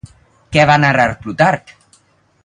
Què va narrar Plutarc?